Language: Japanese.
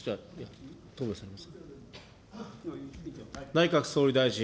内閣総理大臣。